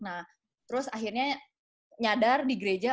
nah terus akhirnya nyadar di gereja